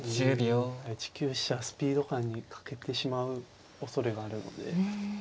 スピード感に欠けてしまうおそれがあるので。